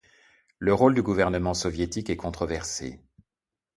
Le rôle du gouvernement soviétique est controversé.